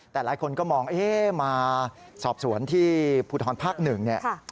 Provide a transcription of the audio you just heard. แต่หลายคนก็มองมาสอบสวนที่ภูทรภักดิ์หนึ่ง